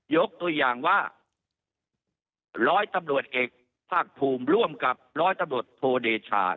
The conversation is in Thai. ยกตัวอย่างว่าร้อยตำรวจเอกภาคภูมิร่วมกับร้อยตำรวจโทเดชา